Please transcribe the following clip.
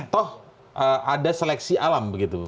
toh ada seleksi alam begitu